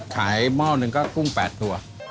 หม้อหนึ่งก็กุ้ง๘ตัว